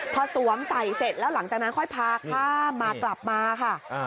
พอสวมใส่เสร็จแล้วหลังจากนั้นค่อยพาข้ามมากลับมาค่ะ